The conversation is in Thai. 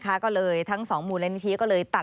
ฟังเสียงอาสามูลละนิทีสยามร่วมใจ